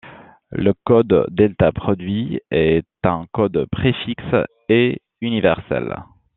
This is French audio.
Le code delta produit est un code préfixe et universel.